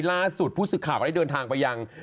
ล่าสุดผู้สื่อข่าวได้เดินทางไปยัง